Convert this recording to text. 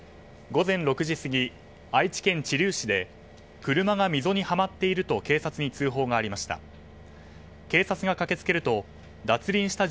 午前６時過ぎ愛知県知立市で車が溝にはまっていると警察に通報がありました。